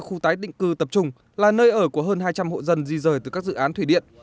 khu tái định cư tập trung là nơi ở của hơn hai trăm linh hộ dân di rời từ các dự án thủy điện